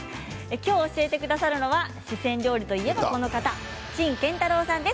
きょう教えてくださるのは四川料理といえばこの方陳建太郎さんです。